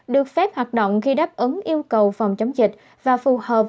được phép hoạt động khi đáp ứng yêu cầu phòng chống dịch và phù hợp